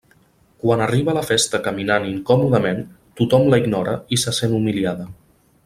Quan arriba a la festa caminant incòmodament tothom la ignora i se sent humiliada.